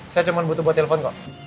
saya cuma butuh buat telepon kok